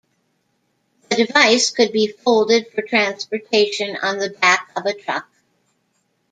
The device could be folded for transportation on the back of a truck.